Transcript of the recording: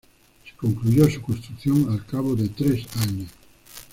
Se concluyó su construcción al cabo de tres años.